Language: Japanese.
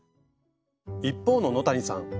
一方の野谷さん